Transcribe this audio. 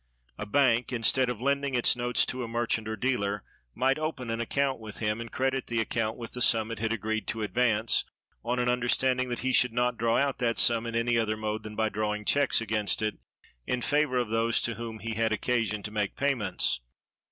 A bank, instead of lending its notes to a merchant or dealer, might open an account with him, and credit the account with the sum it had agreed to advance, on an understanding that he should not draw out that sum in any other mode than by drawing checks against it in favor of those to whom he had occasion to make payments.